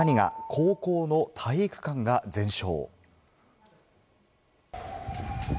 高校の体育館が全焼。